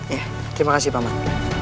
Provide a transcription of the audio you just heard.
iya terima kasih pak man